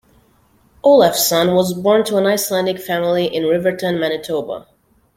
Olafson was born to an Icelandic family in Riverton, Manitoba.